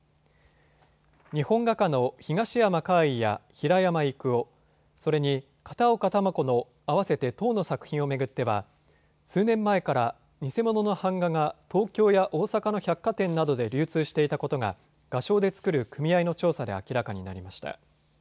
日本画家の東山魁夷や平山郁夫、それに片岡球子の合わせて１０の作品を巡っては数年前から偽物の版画が東京や大阪の百貨店などで流通していたことが画商で作る組合の調査で明らかになりました。